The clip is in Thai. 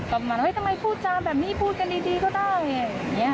ก็บอกว่าเฮ้ยทำไมพูดจานแบบนี้พูดกันดีก็ได้อารมณ์มาเนอะ